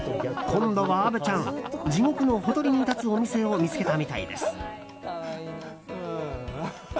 今度は虻ちゃん地獄のほとりに立つお店を見つけたみたいです。